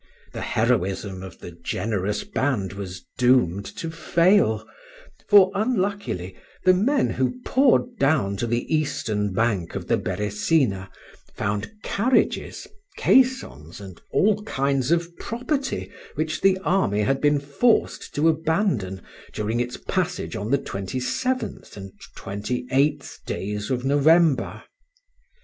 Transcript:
The heroism of the generous band was doomed to fail; for, unluckily, the men who poured down to the eastern bank of the Beresina found carriages, caissons, and all kinds of property which the Army had been forced to abandon during its passage on the 27th and 28th days of November.